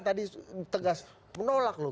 tadi tegas menolak loh